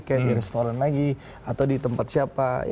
kayak di restoran lagi atau di tempat siapa